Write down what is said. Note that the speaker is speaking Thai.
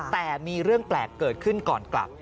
แต่มีเรื่องแปลกเกิดขึ้นก่อนกลับ